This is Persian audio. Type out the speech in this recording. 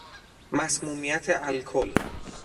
مسمومیت الکل